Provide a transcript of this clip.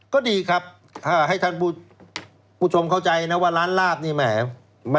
ก็ดีครับให้ท่านผู้ชมเข้าใจนะว่าร้านลาบนี่แหม